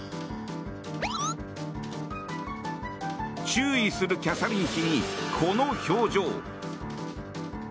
注意するキャサリン妃にこの表情。